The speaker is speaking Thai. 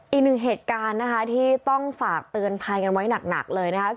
อีกหนึ่งเหตุการณ์นะคะที่ต้องฝากเตือนภัยกันไว้หนักเลยนะครับ